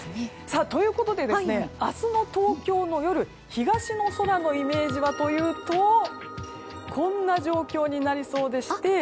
ということで明日の東京の夜東の空のイメージはというとこんな状況になりそうでして。